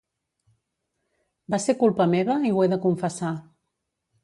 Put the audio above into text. Va ser culpa meva i ho he de confessar.